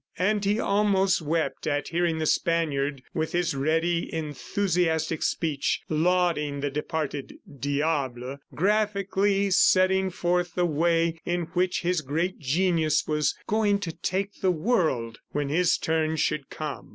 And he almost wept at hearing the Spaniard, with his ready, enthusiastic speech, lauding the departed "diable," graphically setting forth the way in which his great genius was going to take the world when his turn should come.